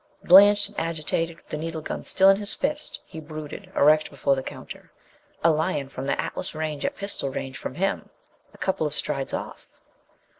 Blanched and agitated, with the needle gun still in his fist, he brooded, erect before the counter. A lion from the Atlas Range at pistol range from him, a couple of strides off?